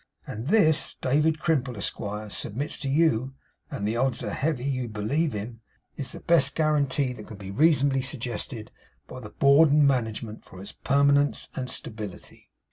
And this, David Crimple, Esquire, submits to you (and the odds are heavy you believe him), is the best guarantee that can reasonably be suggested by the Board of Management for its permanence and stability.